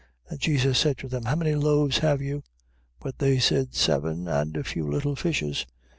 And Jesus said to them: How many loaves have you? But they said: Seven, and a few little fishes. 15:35.